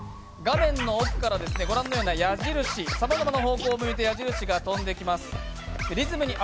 画面の奥からご覧のようなさまざまな方向を向いた矢印が飛んできます。